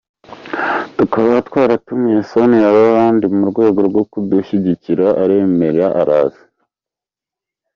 Tukaba twaratumiye Sonia Rolland mu rwego rwo kudushyigikira aremera araza.